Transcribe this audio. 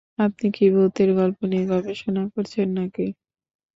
আপনি কি ভূতের গল্প নিয়ে গবেষণা করছেন নাকি?